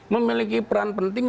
memiliki peran penting